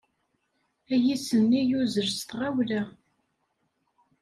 Ayis-nni yuzzel s tɣawla.